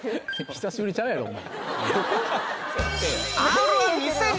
久しぶりちゃうやろお前。